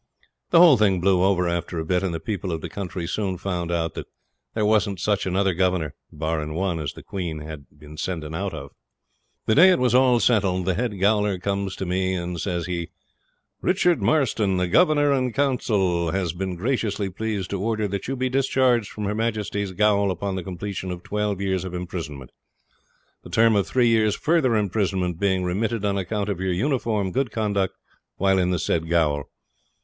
The whole thing blew over after a bit, and the people of the country soon found out that there wasn't such another Governor (barrin' one) as the Queen had the sending out of. The day it was all settled the head gaoler comes to me, and says he, 'Richard Marston, the Governor and Council has been graciously pleased to order that you be discharged from her Majesty's gaol upon the completion of twelve years of imprisonment; the term of three years' further imprisonment being remitted on account of your uniform good conduct while in the said gaol.